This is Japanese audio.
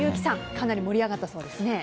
かなり盛り上がったそうですね。